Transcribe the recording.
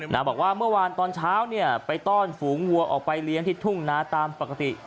บอกว่าเมื่อวานตอนเช้าเนี่ยไปต้อนฝูงวัวออกไปเลี้ยงที่ทุ่งนาตามปกติ